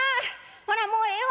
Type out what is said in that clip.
ほなもうええわ。